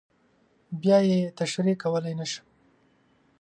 بیا یې تشریح کولی نه شم.